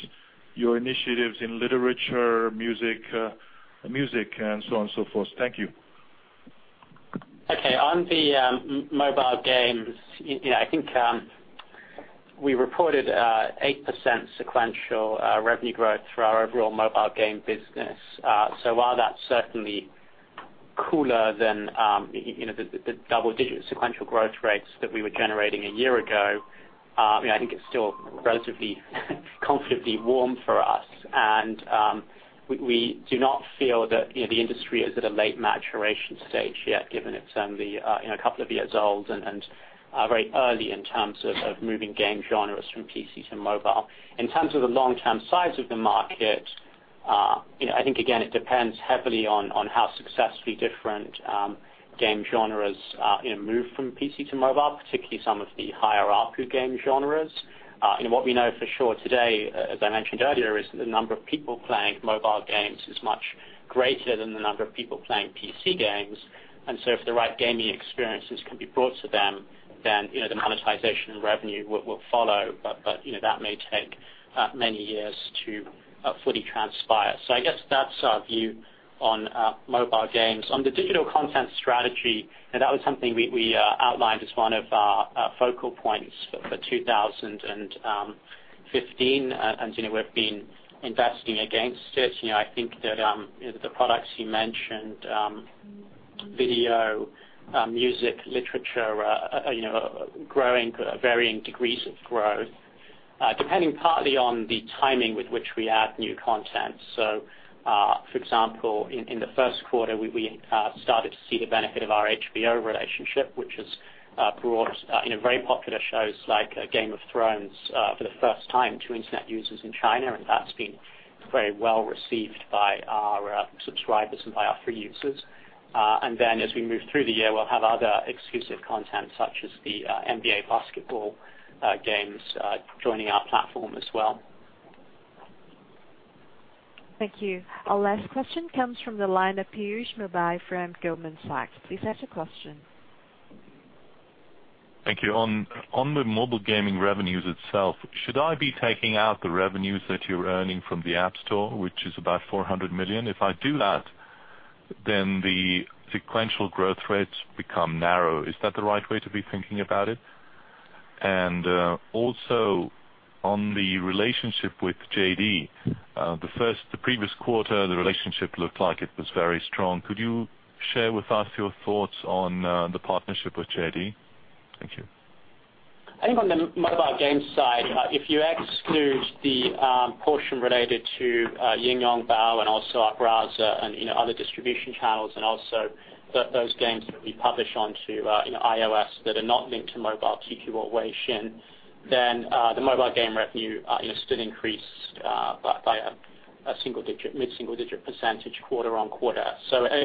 Your initiatives in literature, music, and so on, so forth. Thank you. Okay. On the mobile games, I think we reported 8% sequential revenue growth for our overall mobile game business. While that's certainly cooler than the double-digit sequential growth rates that we were generating a year ago, I think it's still relatively comfortably warm for us. We do not feel that the industry is at a late maturation stage yet, given it's only a couple of years old and very early in terms of moving game genres from PC to mobile. In terms of the long-term size of the market, I think again, it depends heavily on how successfully different game genres move from PC to mobile, particularly some of the higher ARPU game genres. What we know for sure today, as I mentioned earlier, is the number of people playing mobile games is much greater than the number of people playing PC games. If the right gaming experiences can be brought to them, then the monetization and revenue will follow. That may take many years to fully transpire. I guess that's our view on mobile games. On the digital content strategy, that was something we outlined as one of our focal points for 2015, and we've been investing against it. I think that the products you mentioned, video, music, literature are growing at varying degrees of growth, depending partly on the timing with which we add new content. For example, in the first quarter, we started to see the benefit of our HBO relationship, which has brought very popular shows like "Game of Thrones," for the first time to internet users in China, and that's been very well received by our subscribers and by our free users. As we move through the year, we'll have other exclusive content, such as the NBA basketball games, joining our platform as well. Thank you. Our last question comes from the line of Piyush Mubayi from Goldman Sachs. Please ask your question. Thank you. On the mobile gaming revenues itself, should I be taking out the revenues that you're earning from the App Store, which is about 400 million? If I do that, the sequential growth rates become narrow. Is that the right way to be thinking about it? Also, on the relationship with JD.com. The previous quarter, the relationship looked like it was very strong. Could you share with us your thoughts on the partnership with JD.com? Thank you. I think on the mobile games side, if you exclude the portion related to Yingyongbao and also our browser and other distribution channels and also those games that we publish onto iOS that are not linked to Mobile QQ or Weixin, then the mobile game revenue still increased by a mid-single-digit percentage quarter-on-quarter.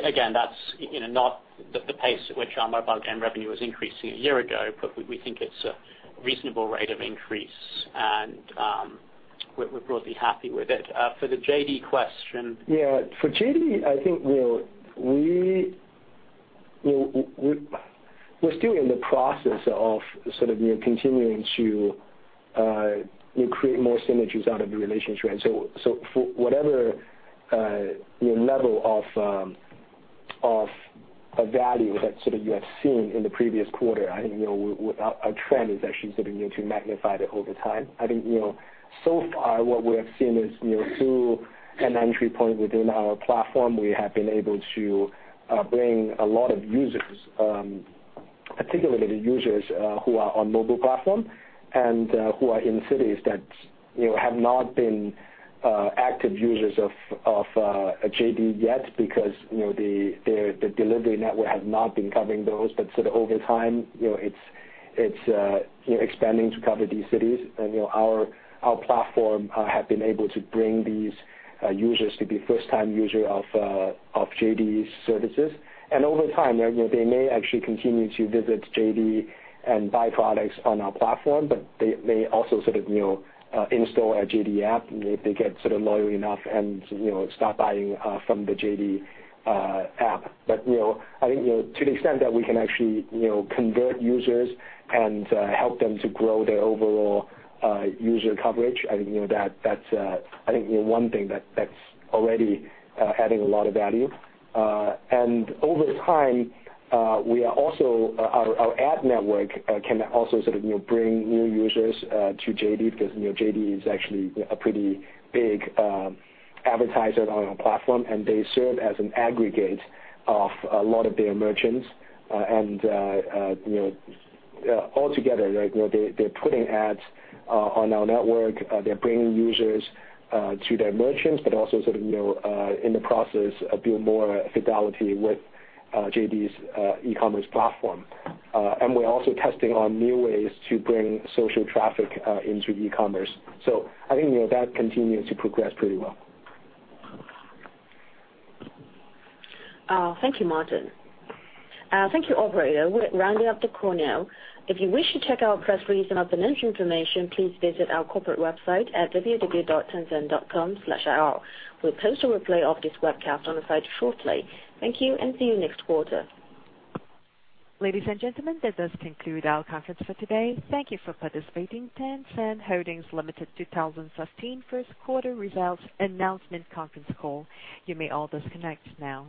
Again, that's not the pace at which our mobile game revenue was increasing a year-ago, but we think it's a reasonable rate of increase, and we're broadly happy with it. For the JD.com question- Yeah, for JD.com, I think we're still in the process of sort of continuing to create more synergies out of the relationship. For whatever level of a value that sort of you have seen in the previous quarter, I think our trend is actually sort of going to magnify that over time. I think so far what we have seen is through an entry point within our platform, we have been able to bring a lot of users, particularly the users who are on mobile platform and who are in cities that have not been active users of JD.com yet because their delivery network has not been covering those. Sort of over time, it's expanding to cover these cities, and our platform have been able to bring these users to be first-time user of JD.com's services. Over time, they may actually continue to visit JD.com and buy products on our platform, but they may also sort of install a JD.com app if they get sort of loyal enough and start buying from the JD.com app. I think to the extent that we can actually convert users and help them to grow their overall user coverage, I think one thing that's already adding a lot of value. Over time, our ad network can also sort of bring new users to JD.com because JD.com is actually a pretty big advertiser on our platform, and they serve as an aggregate of a lot of their merchants. Altogether, they're putting ads on our network, they're bringing users to their merchants, but also sort of in the process, build more fidelity with JD.com's e-commerce platform. We're also testing on new ways to bring social traffic into e-commerce. I think that continues to progress pretty well. Thank you, Martin. Thank you, operator. We're rounding up the call now. If you wish to check our press release and our financial information, please visit our corporate website at www.tencent.com/ir. We'll post a replay of this webcast on the site shortly. Thank you, and see you next quarter. Ladies and gentlemen, that does conclude our conference for today. Thank you for participating. Tencent Holdings Limited 2015 First Quarter Results Announcement Conference Call. You may all disconnect now.